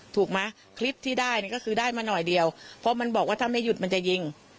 ถูกไหมคลิปที่ได้เนี่ยก็คือได้มาหน่อยเดียวเพราะมันบอกว่าถ้าไม่หยุดมันจะยิง